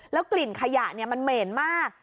กลิ่นขยะมันเหม็นมาก